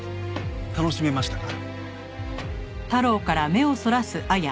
楽しめましたか？